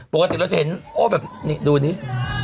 ปกติเราจะเห็นโอ้แบบนี้ดูดิ